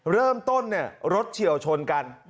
เริ่มต้นรถเฉียวชนกัน